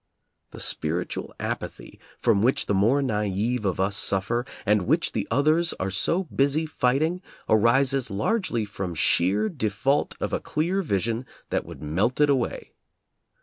The spir itual apathy from which the more naive of us suf fer, and which the others are so busy fighting, arises largely from sheer default of a clear vision that would melt it away.